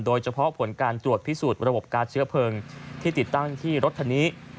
โดยเฉพาะผลการตรวจพิสูจน์ระบบการเชื้อเพลิงที่ติดตั้งที่รถคันนี้